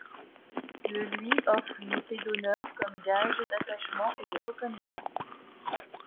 Le lui offre une épée d’honneur comme gage d’attachement et de reconnaissance.